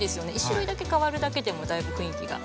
１種類だけ変わるだけでもだいぶ雰囲気が変わったり。